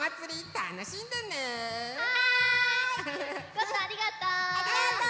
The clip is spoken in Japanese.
ゴットンありがとう！